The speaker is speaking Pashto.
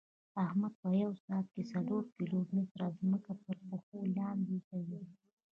احمد په یوه ساعت کې څلور کیلو متېره ځمکه ترپښو لاندې کوي.